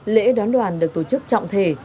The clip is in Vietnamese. lễ đón đoàn được tổ chức trọng thể